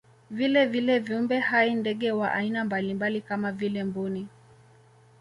Vilevile viumbe hai ndege wa aina mbalimbali kama vile mbuni